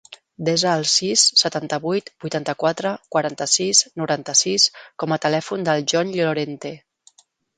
Desa el sis, setanta-vuit, vuitanta-quatre, quaranta-sis, noranta-sis com a telèfon del Jon Llorente.